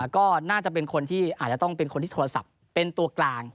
ก็น่าจะเป็นคนที่อาจจะต้องเป็นคนที่โทรศัพท์เป็นตัวกลาง